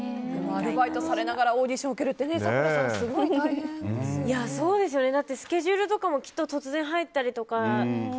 アルバイトされながらオーディションを受けるってスケジュールとかも突然入ったりとか。